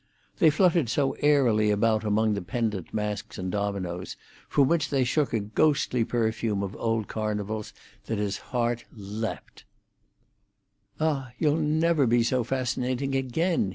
They fluttered so airily about among the pendent masks and dominoes, from which they shook a ghostly perfume of old carnivals, that his heart leaped. "Ah, you'll never be so fascinating again!"